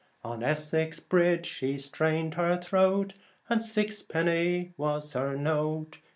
On Essex Bridge she strained her throat, And six a penny was her note.